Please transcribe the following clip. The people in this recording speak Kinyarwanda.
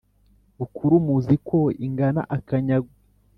bukuru muzi ko ingana akanyago